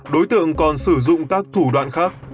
đối tượng còn sử dụng các thủ đoạn khác